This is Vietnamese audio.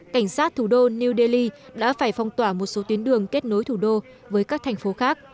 cảnh sát thủ đô new delhi đã phải phong tỏa một số tuyến đường kết nối thủ đô với các thành phố khác